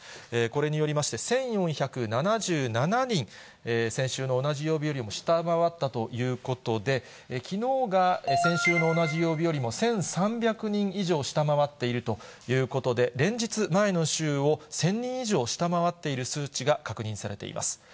これによりまして、１４７７人、先週の同じ曜日よりも下回ったということで、きのうが先週の同じ曜日よりも１３００人以上下回っているということで、連日、前の週を１０００人以上下回っている数値が確認されています。